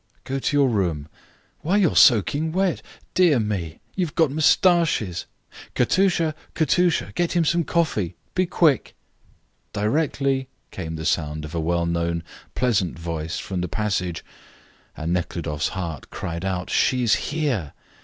"Go to your room why you are soaking wet. Dear me, you have got moustaches! ... Katusha! Katusha! Get him some coffee; be quick." "Directly," came the sound of a well known, pleasant voice from the passage, and Nekhludoff's heart cried out "She's here!"